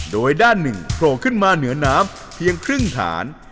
โดยด้านหนึ่งโผล่ขึ้นมาเหนือน้ำเพียงครึ่งฐาน